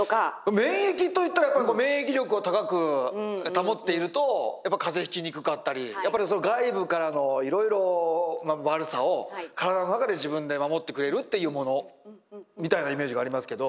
免疫といったらやっぱり免疫力を高く保っていると風邪ひきにくかったりやっぱり外部からのいろいろ悪さを体の中で自分で守ってくれるっていうものみたいなイメージがありますけど。